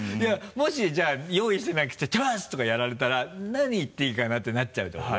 もしじゃあ用意してなくて「トゥース！」とかやられたら何言っていいかな？ってなっちゃうってこと？